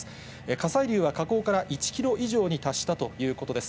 火砕流は、火口から１キロ以上に達したということです。